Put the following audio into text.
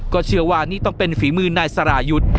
เชื่อว่านี่ต้องเป็นฝีมือนายสรายุทธ์